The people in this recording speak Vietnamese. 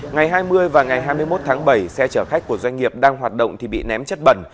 ngày hai mươi và ngày hai mươi một tháng bảy xe chở khách của doanh nghiệp đang hoạt động thì bị ném chất bẩn